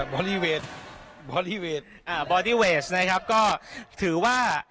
อรี่เวทบอดี้เวทอ่าบอดี้เวสนะครับก็ถือว่า